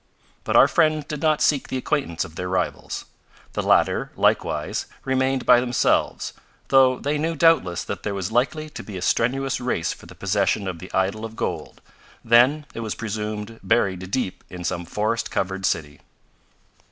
But our friends did not seek the acquaintance of their rivals. The latter, likewise, remained by themselves, though they knew doubtless that there was likely to be a strenuous race for the possession of the idol of gold, then, it was presumed, buried deep in some forest covered city.